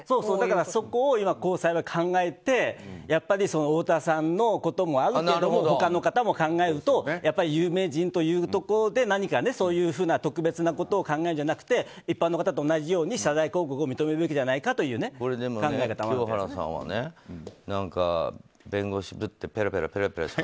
そこを今、高裁は考えてやっぱり太田さんのこともあるけれど他の方も考えるとやっぱり有名人というところで何か、そういうふうな特別なことを考えるんじゃなくて一般の方と同じように謝罪広告を認めるべきじゃないかという考え方もあるんです。